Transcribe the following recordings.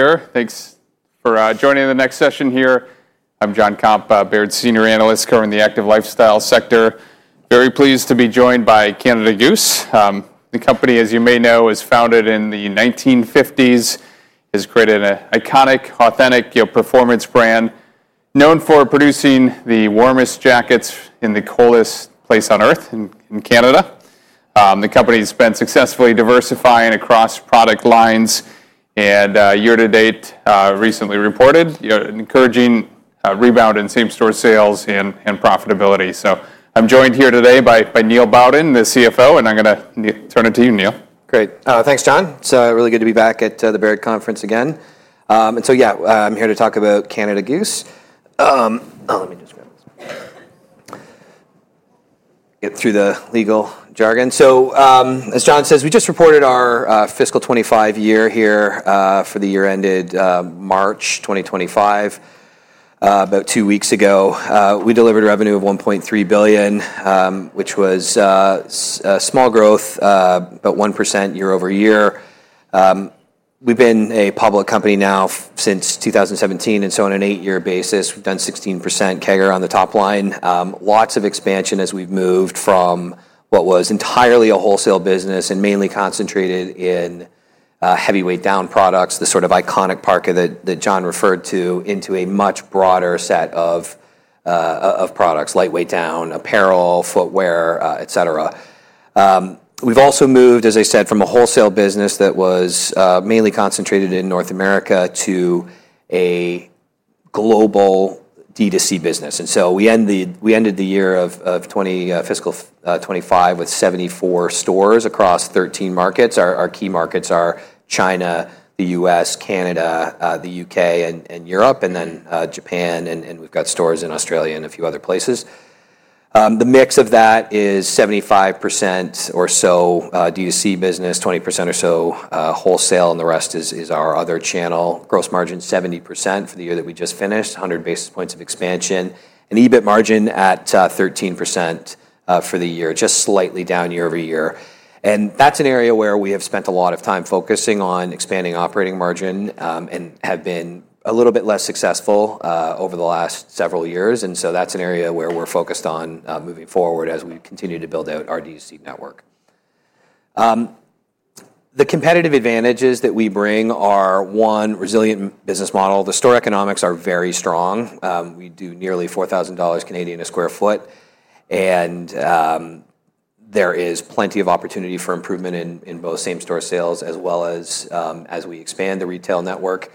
Thanks for joining the next session here. I'm John Comp, Baird Senior Analyst, covering the active lifestyle sector. Very pleased to be joined by Canada Goose. The company, as you may know, was founded in the 1950s, has created an iconic, authentic performance brand known for producing the warmest jackets in the coldest place on Earth, in Canada. The company has been successfully diversifying across product lines and, year to date, recently reported encouraging rebound in same-store sales and profitability. I'm joined here today by Neil Bowden, the CFO, and I'm going to turn it to you, Neil. Great. Thanks, John. It's really good to be back at the Baird Conference again. Yeah, I'm here to talk about Canada Goose. Let me just get through the legal jargon. As John says, we just reported our fiscal 2025 year here for the year ended March 2025. About two weeks ago, we delivered revenue of 1.3 billion, which was small growth, about 1% year over year. We've been a public company now since 2017, and on an eight-year basis, we've done 16% CAGR on the top line. Lots of expansion as we've moved from what was entirely a wholesale business and mainly concentrated in heavyweight down products, the sort of iconic part that John referred to, into a much broader set of products: lightweight down, apparel, footwear, etc. We've also moved, as I said, from a wholesale business that was mainly concentrated in North America to a global D2C business. We ended the year of 2025 with 74 stores across 13 markets. Our key markets are China, the U.S., Canada, the U.K., and Europe, and then Japan, and we've got stores in Australia and a few other places. The mix of that is 75% or so D2C business, 20% or so wholesale, and the rest is our other channel. Gross margin 70% for the year that we just finished, 100 basis points of expansion, and EBIT margin at 13% for the year, just slightly down year over year. That's an area where we have spent a lot of time focusing on expanding operating margin and have been a little bit less successful over the last several years. That is an area where we are focused on moving forward as we continue to build out our D2C network. The competitive advantages that we bring are: one, resilient business model. The store economics are very strong. We do nearly 4,000 Canadian dollars a sq ft, and there is plenty of opportunity for improvement in both same-store sales as well as as we expand the retail network.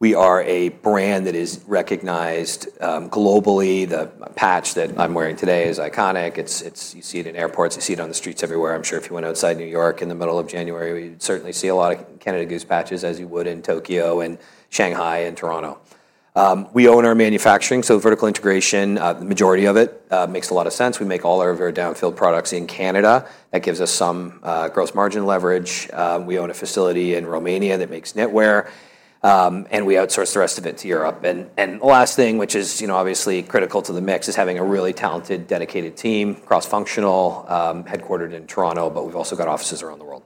We are a brand that is recognized globally. The patch that I am wearing today is iconic. You see it in airports. You see it on the streets everywhere. I am sure if you went outside New York in the middle of January, we would certainly see a lot of Canada Goose patches as you would in Tokyo and Shanghai and Toronto. We own our manufacturing, so vertical integration, the majority of it makes a lot of sense. We make all our downfield products in Canada. That gives us some gross margin leverage. We own a facility in Romania that makes knitwear, and we outsource the rest of it to Europe. The last thing, which is obviously critical to the mix, is having a really talented, dedicated team, cross-functional, headquartered in Toronto, but we've also got offices around the world.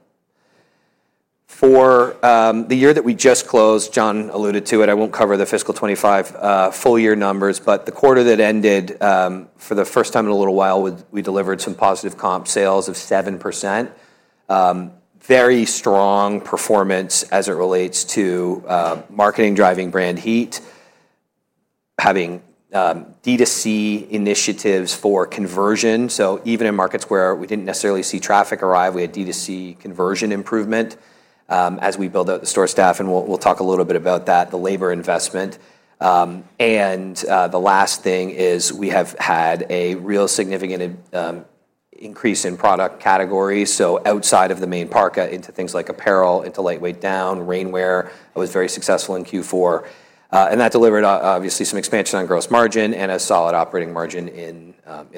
For the year that we just closed, John alluded to it. I won't cover the fiscal 2025 full year numbers, but the quarter that ended for the first time in a little while, we delivered some positive comp sales of 7%. Very strong performance as it relates to marketing driving brand heat, having D2C initiatives for conversion. Even in markets where we didn't necessarily see traffic arrive, we had D2C conversion improvement as we build out the store staff, and we'll talk a little bit about that, the labor investment. The last thing is we have had a real significant increase in product categories, so outside of the main parka, into things like apparel, into lightweight down, rainwear. Rainwear was very successful in Q4, and that delivered obviously some expansion on gross margin and a solid operating margin in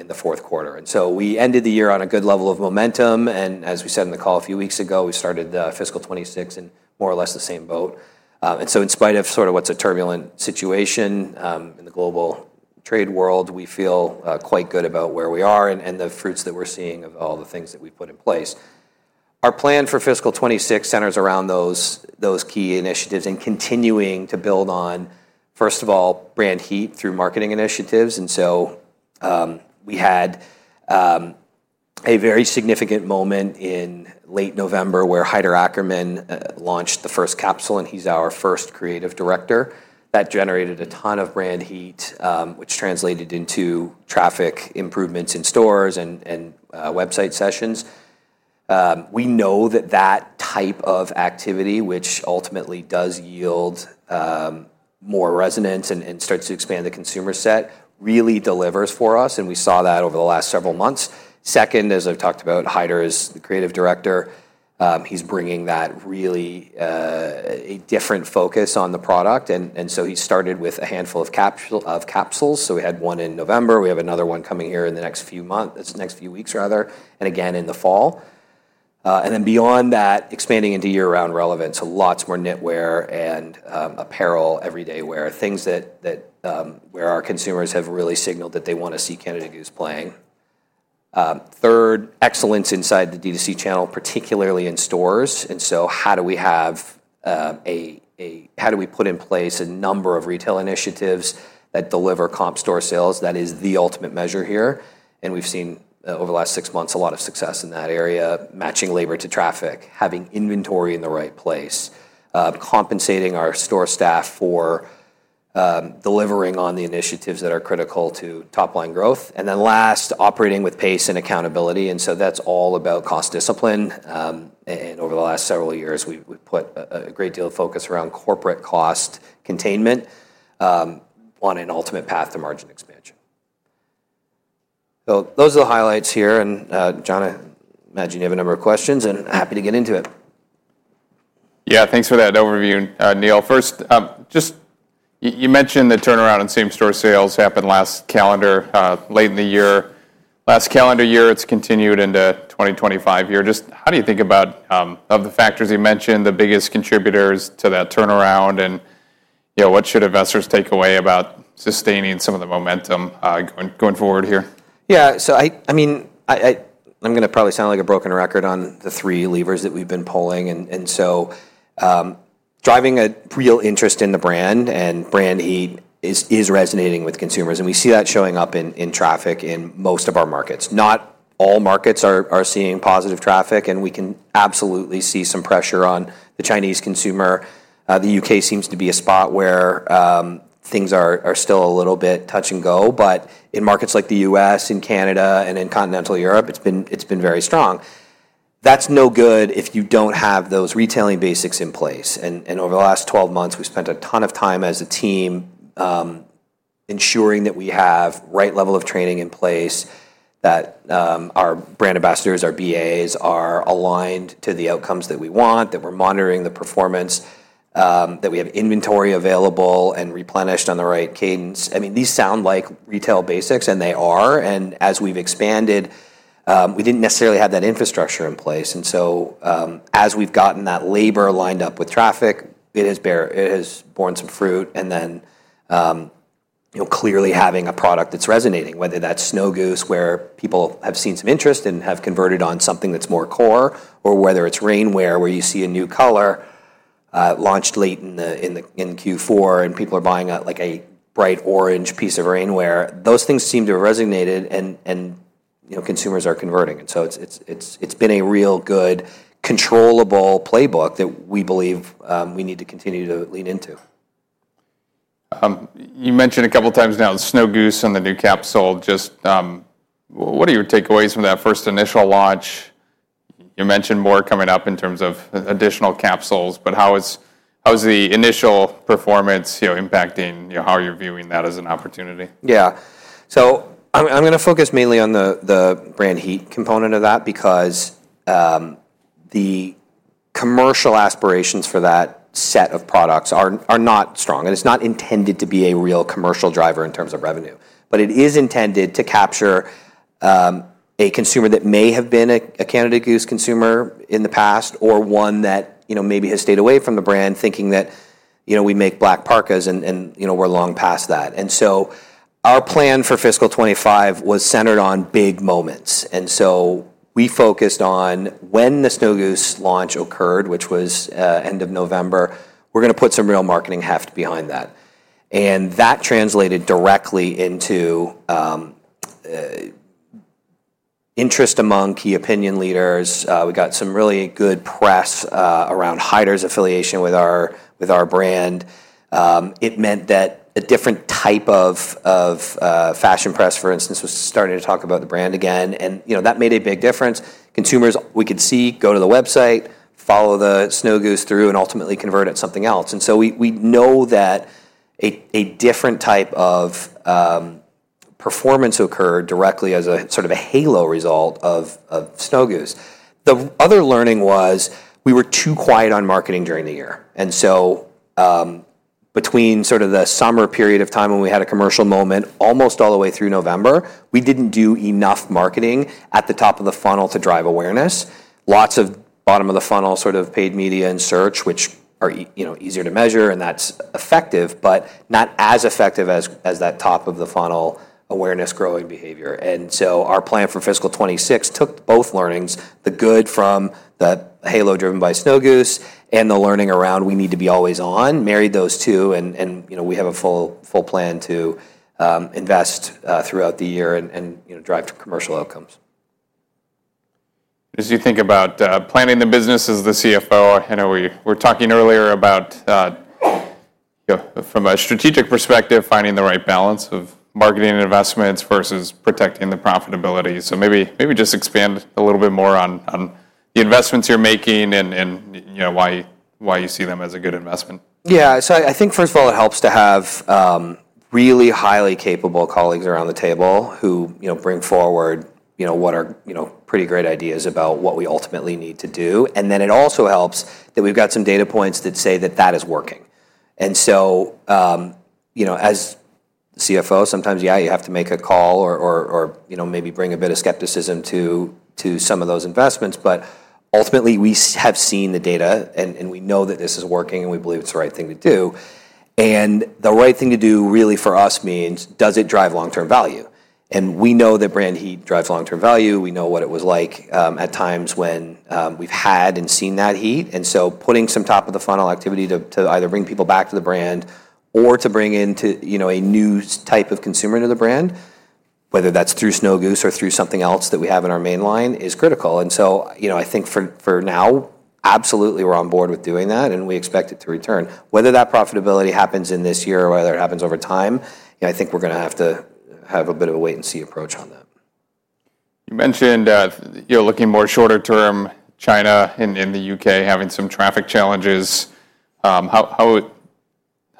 the fourth quarter. We ended the year on a good level of momentum, and as we said in the call a few weeks ago, we started fiscal 2026 in more or less the same boat. In spite of sort of what's a turbulent situation in the global trade world, we feel quite good about where we are and the fruits that we're seeing of all the things that we've put in place. Our plan for fiscal 2026 centers around those key initiatives and continuing to build on, first of all, brand heat through marketing initiatives. We had a very significant moment in late November where Haider Ackermann launched the first capsule, and he is our first creative director. That generated a ton of brand heat, which translated into traffic improvements in stores and website sessions. We know that that type of activity, which ultimately does yield more resonance and starts to expand the consumer set, really delivers for us, and we saw that over the last several months. Second, as I have talked about, Haider is the creative director. He is bringing that really a different focus on the product, and he started with a handful of capsules. We had one in November. We have another one coming here in the next few months, next few weeks, rather, and again in the fall. Beyond that, expanding into year-round relevance, lots more knitwear and apparel, everyday wear, things where our consumers have really signaled that they want to see Canada Goose playing. Third, excellence inside the D2C channel, particularly in stores. How do we put in place a number of retail initiatives that deliver comp store sales? That is the ultimate measure here. We have seen over the last six months a lot of success in that area, matching labor to traffic, having inventory in the right place, compensating our store staff for delivering on the initiatives that are critical to top-line growth. Last, operating with pace and accountability. That is all about cost discipline. Over the last several years, we have put a great deal of focus around corporate cost containment on an ultimate path to margin expansion. Those are the highlights here. John, I imagine you have a number of questions, and happy to get into it. Yeah, thanks for that overview, Neil. First, just you mentioned the turnaround in same-store sales happened last calendar late in the year. Last calendar year, it's continued into 2025 here. Just how do you think about the factors you mentioned, the biggest contributors to that turnaround, and what should investors take away about sustaining some of the momentum going forward here? Yeah, so I mean, I'm going to probably sound like a broken record on the three levers that we've been pulling. Driving a real interest in the brand and brand heat is resonating with consumers, and we see that showing up in traffic in most of our markets. Not all markets are seeing positive traffic, and we can absolutely see some pressure on the Chinese consumer. The U.K. seems to be a spot where things are still a little bit touch and go, but in markets like the U.S., in Canada, and in continental Europe, it's been very strong. That's no good if you don't have those retailing basics in place. Over the last 12 months, we've spent a ton of time as a team ensuring that we have the right level of training in place, that our brand ambassadors, our BAs are aligned to the outcomes that we want, that we're monitoring the performance, that we have inventory available and replenished on the right cadence. I mean, these sound like retail basics, and they are. As we've expanded, we didn't necessarily have that infrastructure in place. As we've gotten that labor lined up with traffic, it has borne some fruit. Clearly having a product that's resonating, whether that's Snow Goose, where people have seen some interest and have converted on something that's more core, or whether it's rainwear where you see a new color launched late in Q4 and people are buying like a bright orange piece of rainwear, those things seem to have resonated and consumers are converting. It has been a real good controllable playbook that we believe we need to continue to lean into. You mentioned a couple of times now the Snow Goose and the new capsule. Just what are your takeaways from that first initial launch? You mentioned more coming up in terms of additional capsules, but how is the initial performance impacting how you're viewing that as an opportunity? Yeah, so I'm going to focus mainly on the brand heat component of that because the commercial aspirations for that set of products are not strong. It is not intended to be a real commercial driver in terms of revenue, but it is intended to capture a consumer that may have been a Canada Goose consumer in the past or one that maybe has stayed away from the brand thinking that we make black parkas and we're long past that. Our plan for fiscal 2025 was centered on big moments. We focused on when the Snow Goose launch occurred, which was end of November, we're going to put some real marketing heft behind that. That translated directly into interest among key opinion leaders. We got some really good press around Haider's affiliation with our brand. It meant that a different type of fashion press, for instance, was starting to talk about the brand again. That made a big difference. Consumers, we could see, go to the website, follow the Snow Goose through, and ultimately convert at something else. We know that a different type of performance occurred directly as a sort of a halo result of Snow Goose. The other learning was we were too quiet on marketing during the year. Between sort of the summer period of time when we had a commercial moment almost all the way through November, we did not do enough marketing at the top of the funnel to drive awareness. Lots of bottom of the funnel sort of paid media and search, which are easier to measure, and that is effective, but not as effective as that top of the funnel awareness growing behavior. Our plan for fiscal 2026 took both learnings, the good from the halo driven by Snow Goose and the learning around we need to be always on, married those two, and we have a full plan to invest throughout the year and drive commercial outcomes. As you think about planning the business as the CFO, I know we were talking earlier about from a strategic perspective, finding the right balance of marketing and investments versus protecting the profitability. Maybe just expand a little bit more on the investments you're making and why you see them as a good investment. Yeah, I think first of all, it helps to have really highly capable colleagues around the table who bring forward what are pretty great ideas about what we ultimately need to do. It also helps that we've got some data points that say that that is working. As the CFO, sometimes, yeah, you have to make a call or maybe bring a bit of skepticism to some of those investments, but ultimately we have seen the data and we know that this is working and we believe it's the right thing to do. The right thing to do really for us means does it drive long-term value? We know that brand heat drives long-term value. We know what it was like at times when we've had and seen that heat. Putting some top-of-the-funnel activity to either bring people back to the brand or to bring in a new type of consumer into the brand, whether that is through Snow Goose or through something else that we have in our mainline, is critical. I think for now, absolutely we are on board with doing that and we expect it to return. Whether that profitability happens in this year or whether it happens over time, I think we are going to have to have a bit of a wait-and-see approach on that. You mentioned looking more shorter-term China and the U.K. having some traffic challenges. How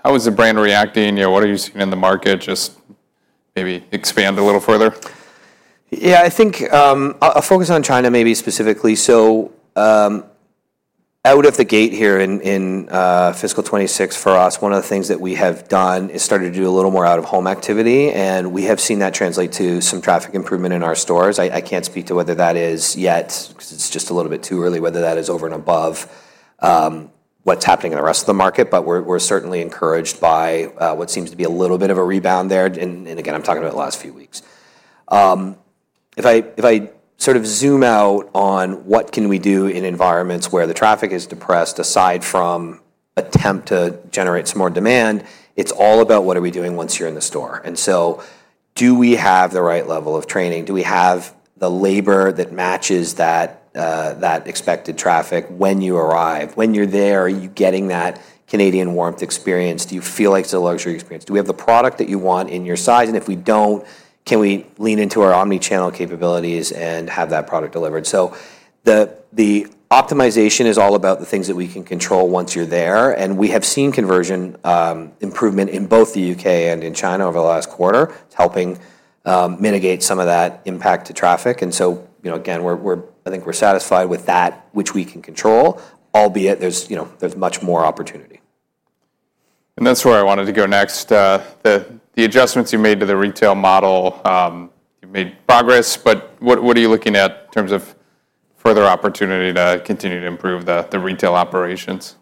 is the brand reacting? What are you seeing in the market? Just maybe expand a little further. Yeah, I think I'll focus on China maybe specifically. Out of the gate here in fiscal 2026 for us, one of the things that we have done is started to do a little more out-of-home activity, and we have seen that translate to some traffic improvement in our stores. I can't speak to whether that is yet, because it's just a little bit too early, whether that is over and above what's happening in the rest of the market, but we're certainly encouraged by what seems to be a little bit of a rebound there. Again, I'm talking about the last few weeks. If I sort of zoom out on what can we do in environments where the traffic is depressed aside from attempt to generate some more demand, it's all about what are we doing once you're in the store. Do we have the right level of training? Do we have the labor that matches that expected traffic when you arrive? When you're there, are you getting that Canadian warmth experience? Do you feel like it's a luxury experience? Do we have the product that you want in your size? If we don't, can we lean into our omnichannel capabilities and have that product delivered? The optimization is all about the things that we can control once you're there. We have seen conversion improvement in both the U.K. and in China over the last quarter, helping mitigate some of that impact to traffic. I think we're satisfied with that, which we can control, albeit there's much more opportunity. That's where I wanted to go next. The adjustments you made to the retail model, you made progress, but what are you looking at in terms of further opportunity to continue to improve the retail operations?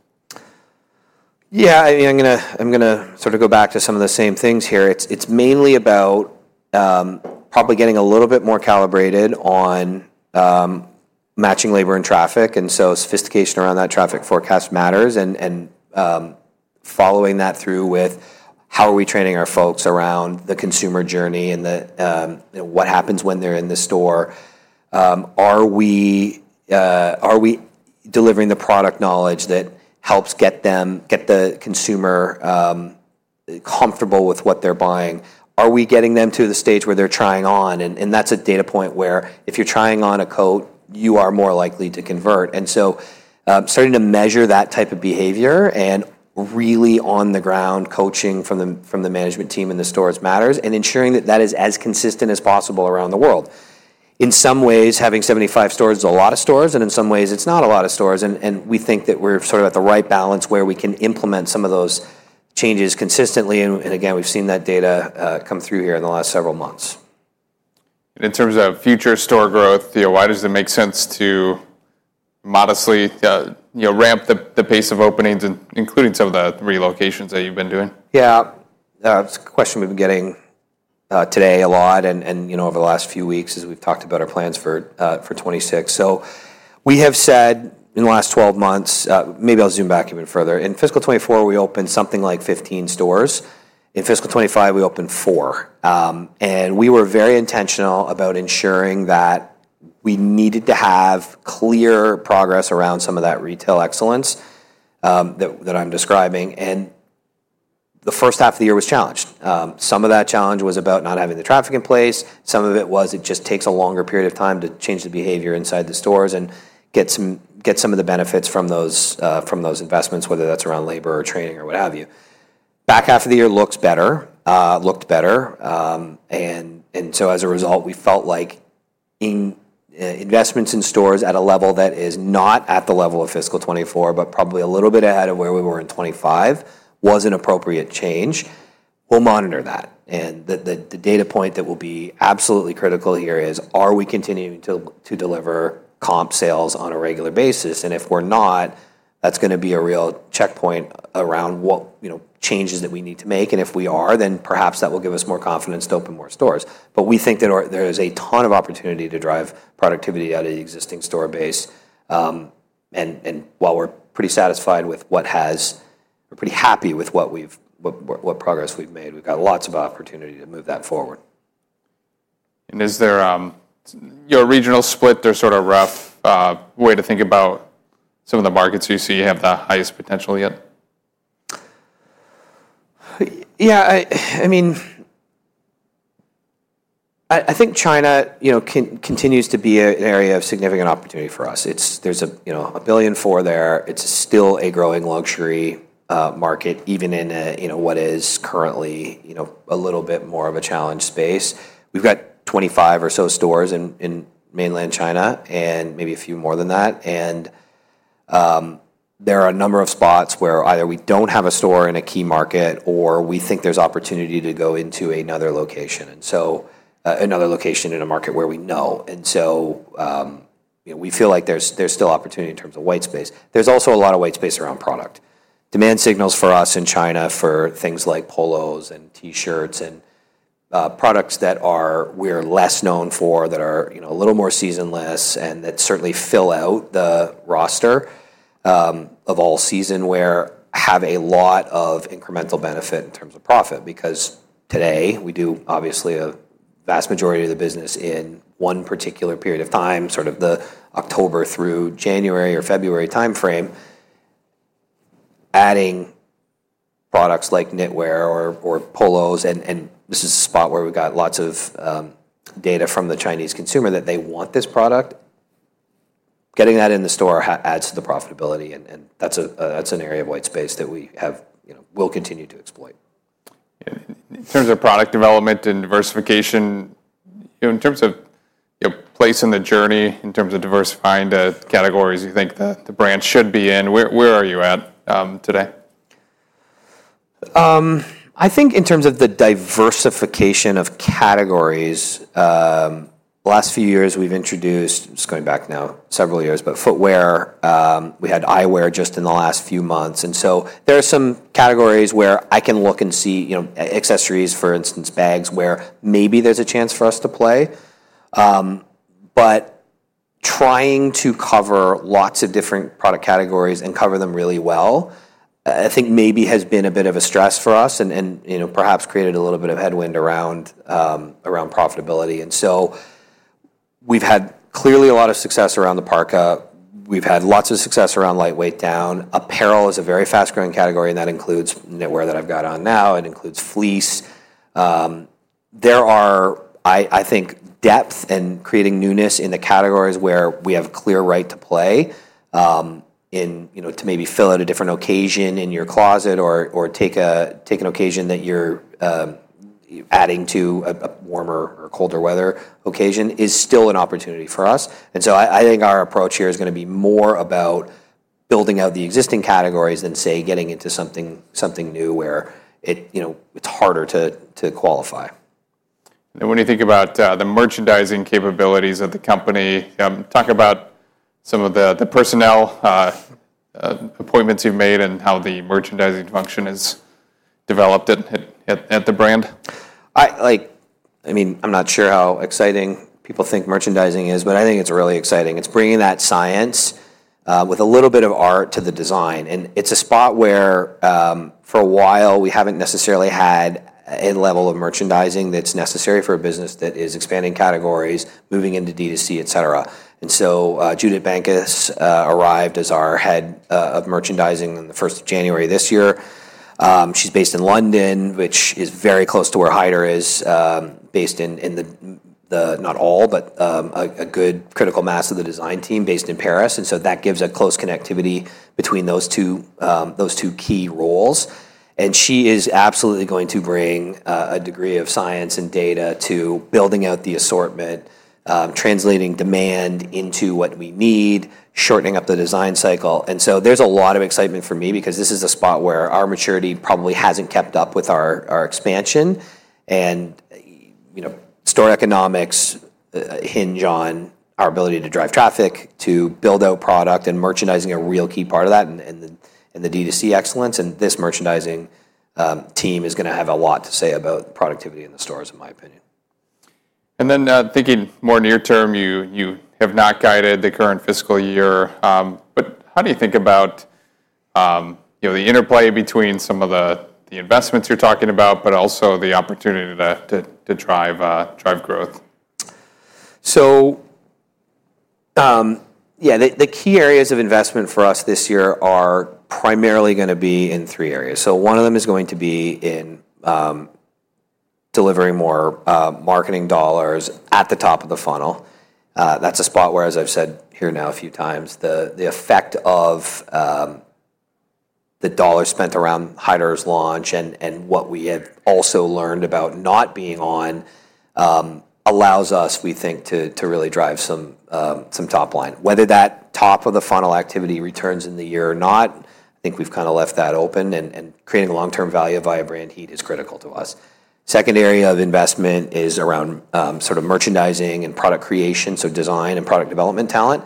Yeah, I'm going to sort of go back to some of the same things here. It's mainly about probably getting a little bit more calibrated on matching labor and traffic. Sophistication around that traffic forecast matters and following that through with how are we training our folks around the consumer journey and what happens when they're in the store? Are we delivering the product knowledge that helps get the consumer comfortable with what they're buying? Are we getting them to the stage where they're trying on? That's a data point where if you're trying on a coat, you are more likely to convert. Starting to measure that type of behavior and really on the ground coaching from the management team in the stores matters and ensuring that that is as consistent as possible around the world. In some ways, having 75 stores is a lot of stores, and in some ways, it's not a lot of stores. We think that we're sort of at the right balance where we can implement some of those changes consistently. We've seen that data come through here in the last several months. In terms of future store growth, why does it make sense to modestly ramp the pace of openings, including some of the relocations that you've been doing? Yeah, it's a question we've been getting today a lot and over the last few weeks as we've talked about our plans for 2026. We have said in the last 12 months, maybe I'll zoom back even further. In fiscal 2024, we opened something like 15 stores. In fiscal 2025, we opened four. We were very intentional about ensuring that we needed to have clear progress around some of that retail excellence that I'm describing. The first half of the year was challenged. Some of that challenge was about not having the traffic in place. Some of it was it just takes a longer period of time to change the behavior inside the stores and get some of the benefits from those investments, whether that's around labor or training or what have you. Back half of the year looked better. As a result, we felt like investments in stores at a level that is not at the level of fiscal 2024, but probably a little bit ahead of where we were in 2025, was an appropriate change. We will monitor that. The data point that will be absolutely critical here is, are we continuing to deliver comp sales on a regular basis? If we are not, that is going to be a real checkpoint around what changes that we need to make. If we are, then perhaps that will give us more confidence to open more stores. We think that there is a ton of opportunity to drive productivity out of the existing store base. While we are pretty satisfied with what has, we are pretty happy with what progress we have made. We have got lots of opportunity to move that forward. Is there your regional split? They're sort of rough way to think about some of the markets you see have the highest potential yet? Yeah, I mean, I think China continues to be an area of significant opportunity for us. There's a 1.4 billion there. It's still a growing luxury market, even in what is currently a little bit more of a challenge space. We've got 25 or so stores in mainland China and maybe a few more than that. There are a number of spots where either we don't have a store in a key market or we think there's opportunity to go into another location, another location in a market where we know. We feel like there's still opportunity in terms of white space. There's also a lot of white space around product. Demand signals for us in China for things like polos and t-shirts and products that we're less known for that are a little more seasonless and that certainly fill out the roster of all season wear have a lot of incremental benefit in terms of profit because today we do obviously a vast majority of the business in one particular period of time, sort of the October through January or February timeframe, adding products like knitwear or polos. This is a spot where we've got lots of data from the Chinese consumer that they want this product. Getting that in the store adds to the profitability. That's an area of white space that we will continue to exploit. In terms of product development and diversification, in terms of place in the journey in terms of diversifying the categories you think the brand should be in, where are you at today? I think in terms of the diversification of categories, the last few years we've introduced, just going back now several years, but footwear, we had eyewear just in the last few months. There are some categories where I can look and see accessories, for instance, bags where maybe there's a chance for us to play. Trying to cover lots of different product categories and cover them really well, I think maybe has been a bit of a stress for us and perhaps created a little bit of headwind around profitability. We've had clearly a lot of success around the parka. We've had lots of success around lightweight down. Apparel is a very fast-growing category, and that includes knitwear that I've got on now. It includes fleece. There are, I think, depth and creating newness in the categories where we have clear right to play to maybe fill out a different occasion in your closet or take an occasion that you're adding to a warmer or colder weather occasion is still an opportunity for us. I think our approach here is going to be more about building out the existing categories than, say, getting into something new where it's harder to qualify. When you think about the merchandising capabilities of the company, talk about some of the personnel appointments you've made and how the merchandising function is developed at the brand. I mean, I'm not sure how exciting people think merchandising is, but I think it's really exciting. It's bringing that science with a little bit of art to the design. It's a spot where for a while we haven't necessarily had a level of merchandising that's necessary for a business that is expanding categories, moving into D2C, etc. Judith Bankus arrived as our Head of Merchandising on the 1st of January this year. She's based in London, which is very close to where Haider is, based, and not all, but a good critical mass of the design team is based in Paris. That gives a close connectivity between those two key roles. She is absolutely going to bring a degree of science and data to building out the assortment, translating demand into what we need, shortening up the design cycle. There is a lot of excitement for me because this is a spot where our maturity probably has not kept up with our expansion. Store economics hinge on our ability to drive traffic, to build out product, and merchandising is a real key part of that and the D2C excellence. This merchandising team is going to have a lot to say about productivity in the stores, in my opinion. Thinking more near term, you have not guided the current fiscal year. How do you think about the interplay between some of the investments you're talking about, but also the opportunity to drive growth? Yeah, the key areas of investment for us this year are primarily going to be in three areas. One of them is going to be in delivering more marketing dollars at the top of the funnel. That is a spot where, as I have said here now a few times, the effect of the dollars spent around Haider's launch and what we have also learned about not being on allows us, we think, to really drive some top line. Whether that top of the funnel activity returns in the year or not, I think we have kind of left that open. Creating long-term value via brand heat is critical to us. The second area of investment is around sort of merchandising and product creation, so design and product development talent.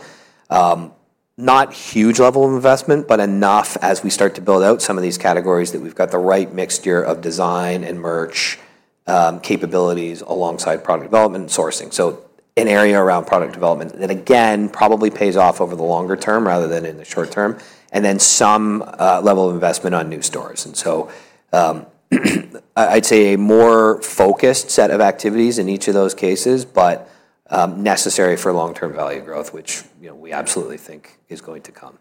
Not huge level of investment, but enough as we start to build out some of these categories that we've got the right mixture of design and merch capabilities alongside product development and sourcing. An area around product development that again probably pays off over the longer term rather than in the short term. Then some level of investment on new stores. I'd say a more focused set of activities in each of those cases, but necessary for long-term value growth, which we absolutely think is going to come.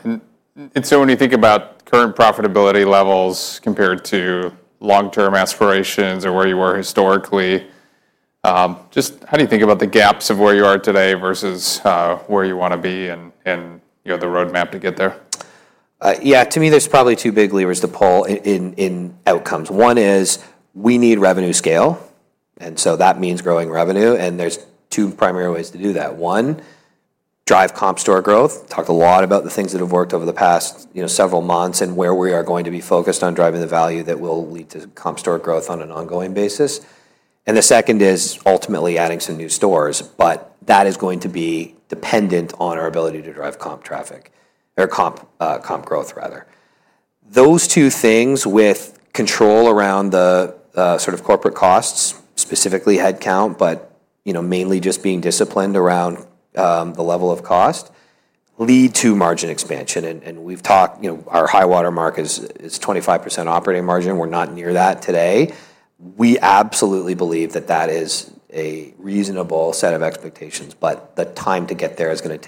When you think about current profitability levels compared to long-term aspirations or where you were historically, just how do you think about the gaps of where you are today versus where you want to be and the roadmap to get there? Yeah, to me, there's probably two big levers to pull in outcomes. One is we need revenue scale. That means growing revenue. There's two primary ways to do that. One, drive comp store growth. Talked a lot about the things that have worked over the past several months and where we are going to be focused on driving the value that will lead to comp store growth on an ongoing basis. The second is ultimately adding some new stores, but that is going to be dependent on our ability to drive comp traffic or comp growth, rather. Those two things with control around the sort of corporate costs, specifically headcount, but mainly just being disciplined around the level of cost lead to margin expansion. We've talked our high watermark is 25% operating margin. We're not near that today. We absolutely believe that is a reasonable set of expectations, but the time to get there is going to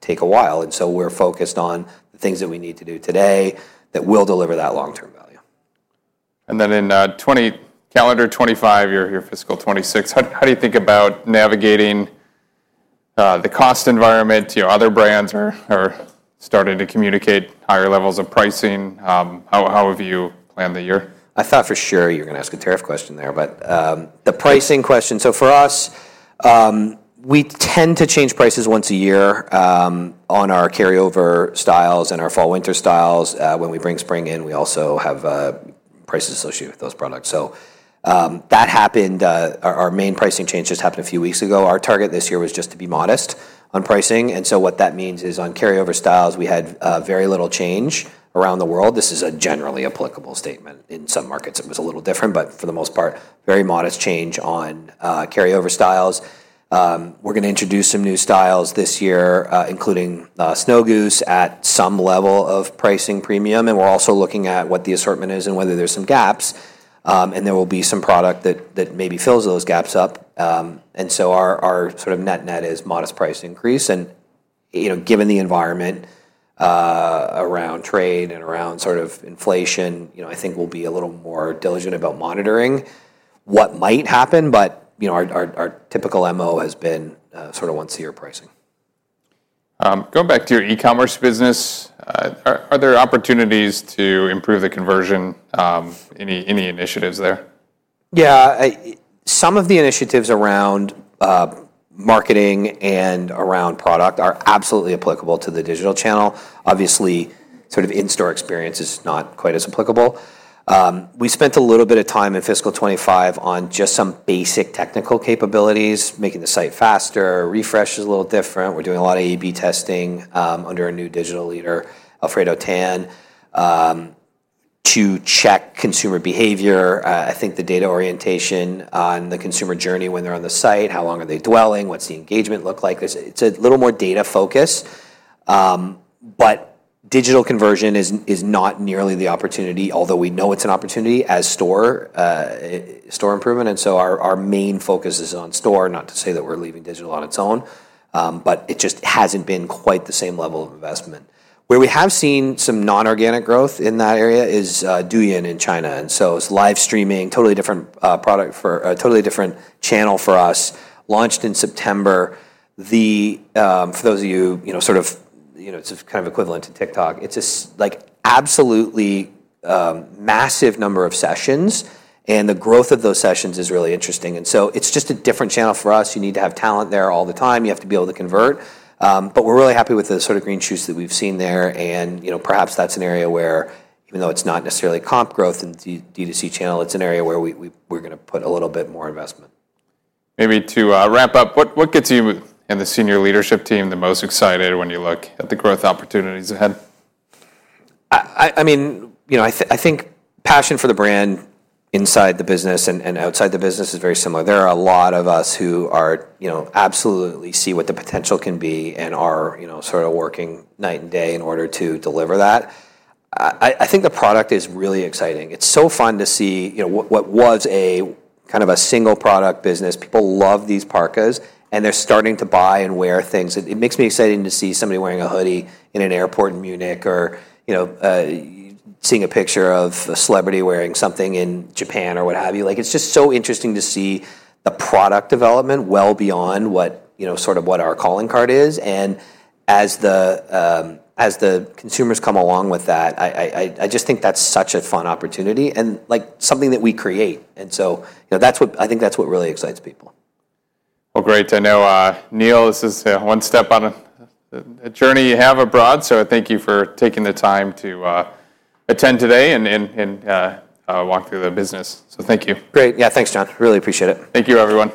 take a while. We are focused on the things that we need to do today that will deliver that long-term value. In calendar 2025, your fiscal 2026, how do you think about navigating the cost environment? Other brands are starting to communicate higher levels of pricing. How have you planned the year? I thought for sure you were going to ask a tariff question there, but the pricing question. For us, we tend to change prices once a year on our carryover styles and our fall winter styles. When we bring spring in, we also have prices associated with those products. That happened. Our main pricing change just happened a few weeks ago. Our target this year was just to be modest on pricing. What that means is on carryover styles, we had very little change around the world. This is a generally applicable statement. In some markets, it was a little different, but for the most part, very modest change on carryover styles. We are going to introduce some new styles this year, including Snow Goose at some level of pricing premium. We are also looking at what the assortment is and whether there are some gaps. There will be some product that maybe fills those gaps up. Our sort of net-net is modest price increase. Given the environment around trade and around sort of inflation, I think we'll be a little more diligent about monitoring what might happen. Our typical MO has been sort of once-a-year pricing. Going back to your e-commerce business, are there opportunities to improve the conversion? Any initiatives there? Yeah, some of the initiatives around marketing and around product are absolutely applicable to the digital channel. Obviously, sort of in-store experience is not quite as applicable. We spent a little bit of time in fiscal 2025 on just some basic technical capabilities, making the site faster, refreshes a little different. We're doing a lot of A/B testing under our new digital leader, Alfredo Tan, to check consumer behavior. I think the data orientation on the consumer journey when they're on the site, how long are they dwelling, what's the engagement look like. It's a little more data-focused. Digital conversion is not nearly the opportunity, although we know it's an opportunity as store improvement. Our main focus is on store, not to say that we're leaving digital on its own, but it just hasn't been quite the same level of investment. Where we have seen some non-organic growth in that area is Douyin in China. It is live streaming, totally different product for a totally different channel for us, launched in September. For those of you sort of, it is kind of equivalent to TikTok. It is an absolutely massive number of sessions. The growth of those sessions is really interesting. It is just a different channel for us. You need to have talent there all the time. You have to be able to convert. We are really happy with the sort of green shoots that we have seen there. Perhaps that is an area where, even though it is not necessarily comp growth and D2C channel, it is an area where we are going to put a little bit more investment. Maybe to wrap up, what gets you and the senior leadership team the most excited when you look at the growth opportunities ahead? I mean, I think passion for the brand inside the business and outside the business is very similar. There are a lot of us who absolutely see what the potential can be and are sort of working night and day in order to deliver that. I think the product is really exciting. It's so fun to see what was a kind of a single product business. People love these parkas, and they're starting to buy and wear things. It makes me excited to see somebody wearing a hoodie in an airport in Munich or seeing a picture of a celebrity wearing something in Japan or what have you. It's just so interesting to see the product development well beyond sort of what our calling card is. As the consumers come along with that, I just think that's such a fun opportunity and something that we create. I think that's what really excites people. Great. I know, Neil, this is one step on a journey you have abroad. I thank you for taking the time to attend today and walk through the business. Thank you. Great. Yeah, thanks, John. Really appreciate it. Thank you, everyone.